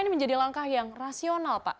ini menjadi langkah yang rasional pak